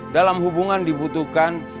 dalam hubungan dibutuhkan